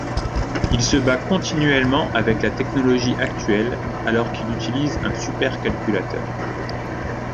Il se bat continuellement avec la technologie actuelle alors qu'il utilise un super-calculateur.